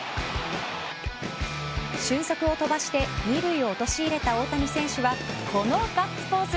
俊足を飛ばして２塁を陥れた大谷選手はこのガッツポーズ。